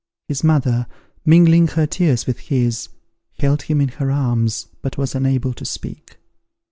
His mother, mingling her tears with his, held him in her arms, but was unable to speak.